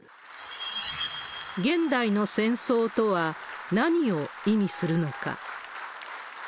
現代の戦争とは、何を意味するのか。